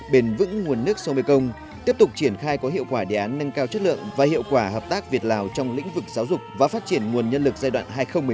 bền vững nguồn nước sông mekong tiếp tục triển khai có hiệu quả đề án nâng cao chất lượng và hiệu quả hợp tác việt lào trong lĩnh vực giáo dục và phát triển nguồn nhân lực giai đoạn hai nghìn một mươi sáu hai nghìn hai mươi